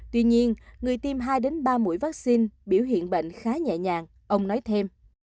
tuy nhiên người tiêm hai ba mũi vaccine biểu hiện bệnh khá nhẹ nhàng ông nói thêm